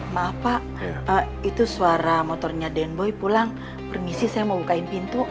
maaf pak itu suara motornya den boy pulang permisi saya mau bukain pintu